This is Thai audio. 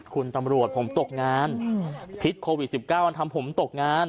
คุณตำรวจผมตกงานพิษโควิด๑๙มันทำผมตกงาน